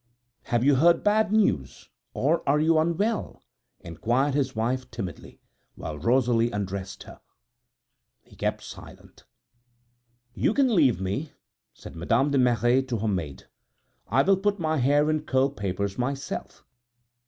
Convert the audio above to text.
"Have you heard bad news, or are you unwell?" inquired his wife timidly, while Rosalie undressed her. He kept silent. "You can leave me," said Madame de Merret to her maid; "I will put my hair in curl papers myself."